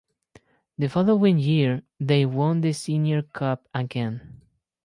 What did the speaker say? The following year they won the Senior Cup again.